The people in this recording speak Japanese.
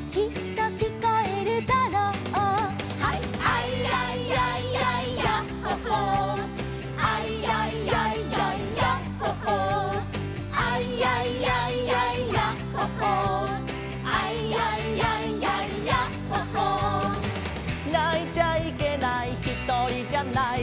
「アイヤイヤイヤイヤッホ・ホー」「アイヤイヤイヤイヤッホ・ホー」「アイヤイヤイヤイヤッホ・ホー」「アイヤイヤイヤイヤッホ・ホー」「泣いちゃいけないひとりじゃない」